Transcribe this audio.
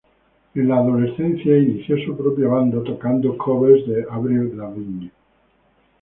En la adolescencia inició su propia banda, tocando covers de Avril Lavigne.